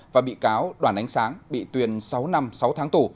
và bị cáo đoàn ánh sáng bị tuyên sáu năm sáu tháng tù